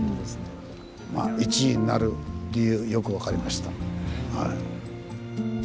まあ１位になる理由よく分かりました。